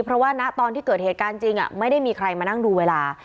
เพราะว่าณตอนที่เกิดเหตุการณ์จริงไม่ได้มีใครมานั่งดูเวลา